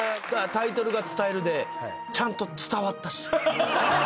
タイトルが「伝える」でちゃんと伝わったし。